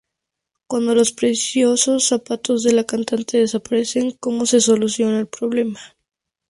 Cuando los preciosos zapatos de la cantante desaparecen, ¿cómo se soluciona el problema?